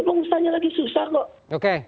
pengusahanya lagi susah kok